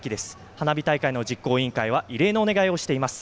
花火大会の実行委員会は異例のお願いをしています。